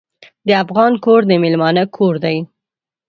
د افغان کور د میلمانه کور دی.